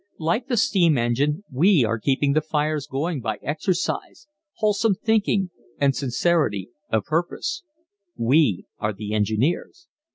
Like the steam engine we are keeping the fires going by exercise, wholesome thinking and sincerity of purpose. We are the engineers.